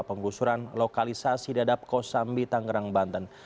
penggusuran lokalisasi dadap kosambi tangerang banten